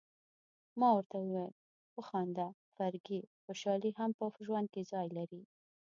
ما ورته وویل: وخانده فرګي، خوشالي هم په ژوند کي ځای لري.